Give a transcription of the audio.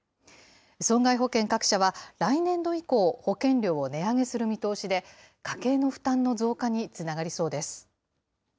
損害保険各社は来年度以降、保険料を値上げする見通しで、家計の負担の増加につながりそうです。